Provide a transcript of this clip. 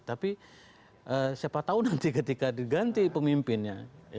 tapi siapa tahu nanti ketika diganti pemimpinnya